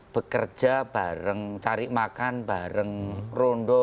bekerja bareng cari makan bareng rondo